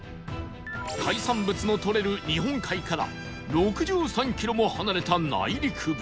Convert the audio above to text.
海産物のとれる日本海から６３キロも離れた内陸部